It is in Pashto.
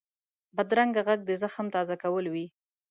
بدرنګه غږ د زخم تازه کول وي